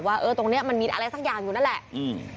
ว่าเออตรงเนี้ยมันมีอะไรสักอย่างอยู่นั่นแหละอืม